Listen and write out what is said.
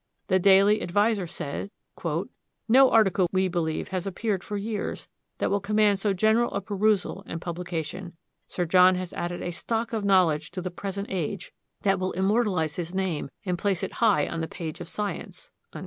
The Daily Advertiser said: "No article, we believe, has appeared for years, that will command so general a perusal and publication. Sir John has added a stock of knowledge to the present age that will immortalize his name and place it high on the page of science."